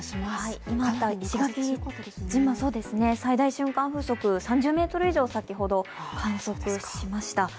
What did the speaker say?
石垣島、最大瞬間風速３０メートル以上を観測しました。